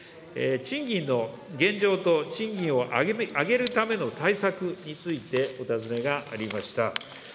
賃金の現状と、賃金を上げるための対策についてお尋ねがありました。